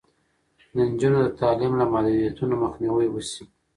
د نجونو د تعلیم له محدودیتونو مخنیوی وشي.